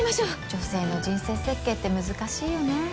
女性の人生設計って難しいよね。